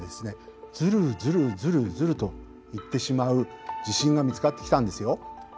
ズルズルズルズルといってしまう地震が見つかってきたんですよ。